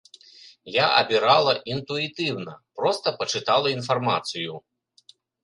Я абірала інтуітыўна, проста пачытала інфармацыю.